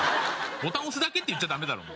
「ボタン押すだけ」って言っちゃダメだろ。